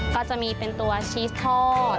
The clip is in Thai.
ก็จะมีเป็นตัวชีสทอด